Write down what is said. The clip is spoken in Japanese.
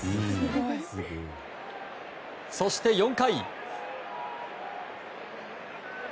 そして４回。